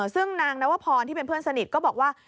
ซึ่งนางนวพรที่เป็นเพื่อนสนิทก็บอกว่า